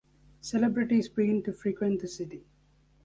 Celebrities began to frequent the city.